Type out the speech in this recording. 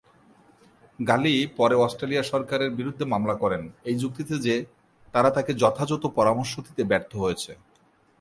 গালি পরে অস্ট্রেলিয়া সরকারের বিরুদ্ধে মামলা করেন, এই যুক্তিতে যে তারা তাকে যথাযথ পরামর্শ দিতে ব্যর্থ হয়েছে।